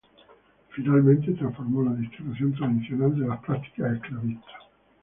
Finalmente transformó la distribución tradicional de las prácticas esclavistas.